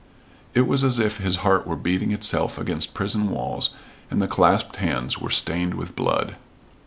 It was as if his heart were beating itself against prison walls and the clasped hands were stained with blood.